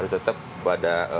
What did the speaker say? ini untuk apa